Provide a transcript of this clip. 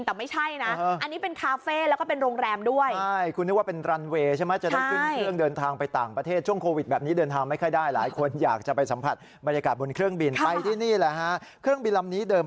ที่แรกนึกว่าเป็นสนามบินแต่ไม่ใช่นะ